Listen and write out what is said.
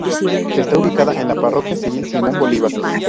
Está ubicada en la parroquia civil Simón Bolívar.